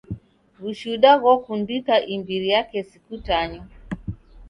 W'ushuda ghokundika imbiri ya kesi kutanywa.